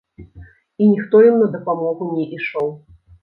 І ніхто ім на дапамогу не ішоў.